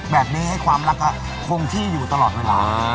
แบบนี้ให้ความรักก็คงที่อยู่ตลอดเวลา